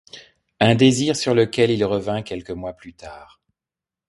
Un désir sur lequel il revint quelques mois plus tard.